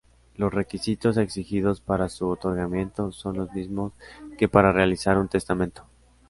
Los requisitos exigidos para su otorgamiento son los mismos que para realizar un testamento.